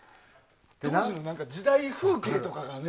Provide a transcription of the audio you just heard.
当時の時代風景とかがね。